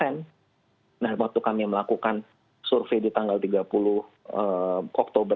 nah waktu kami melakukan survei di tanggal tiga puluh oktober dua ribu dua puluh